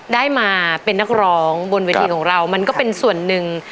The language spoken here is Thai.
ได้มาเป็นนักร้องบนเวทีของเรามันก็เป็นส่วนหนึ่ง